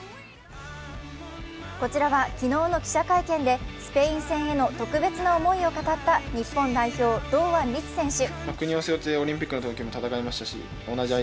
こちらは、昨日の記者会見でスペイン戦への特別な思いを語った日本代表・堂安律選手。